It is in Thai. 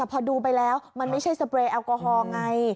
พอดูไปแล้วมันไม่ใช่สเปรย์แอลกอฮอลไง